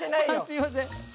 すいません。